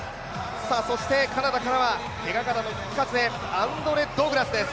そしてカナダからはけがからの復活、アンドレ・ドグラスです。